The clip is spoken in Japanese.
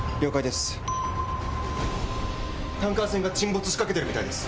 タンカー船が沈没しかけてるみたいです。